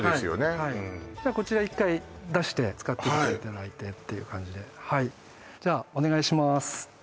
はいじゃこちら１回出して使っていただいてもらってっていう感じではいじゃお願いします